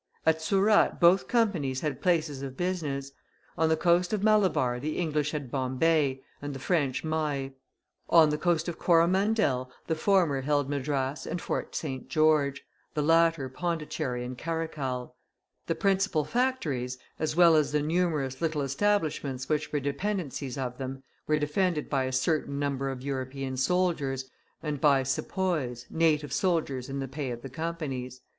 At Surat both Companies had places of business; on the coast of Malabar the English had Bombay, and the French Mahe; on the coast of Coromandel the former held Madras and Fort St. George, the latter Pondicherry and Karikal. The principal factories, as well as the numerous little establishments which were dependencies of them, were defended by a certain number of European soldiers, and by Sepoys, native soldiers in the pay of the Companies.